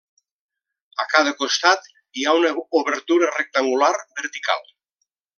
A cada costat hi ha una obertura rectangular vertical.